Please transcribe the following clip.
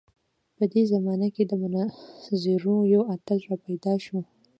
په دې زمانه کې د مناظرو یو اتل راپیدا شو.